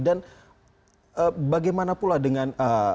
dan bagaimana pula dengan